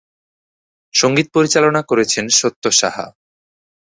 সঙ্গীত পরিচালনা করেছেন সত্য সাহা।